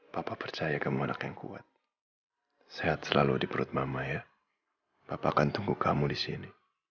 bapak percaya kamu anak yang kuat sehat selalu di perut mama ya bapak akan tunggu kamu di sini